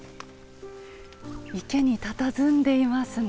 池にたたずんでいますね。